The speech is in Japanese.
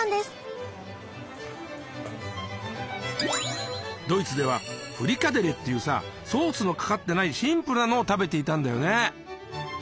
まずはドイツではフリカデレっていうさソースのかかってないシンプルなのを食べていたんだよね。